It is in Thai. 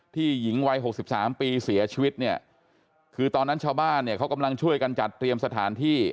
หญิงวัย๖๓ปีเสียชีวิตเนี่ยคือตอนนั้นชาวบ้านเนี่ยเขากำลังช่วยกันจัดเตรียมสถานที่